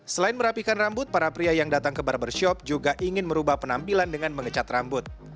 selain merapikan rambut para pria yang datang ke barbershop juga ingin merubah penampilan dengan mengecat rambut